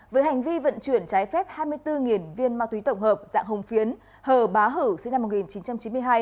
với hành vi vận chuyển trái phép hai mươi bốn viên ma túy tổng hợp dạng hồng phiến hờ bá hử sinh năm một nghìn chín trăm chín mươi hai